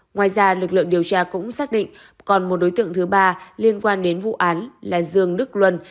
ngoài ra lực lượng điều tra cũng xác định còn một đối tượng thứ ba liên quan đến vụ án là dương đức luân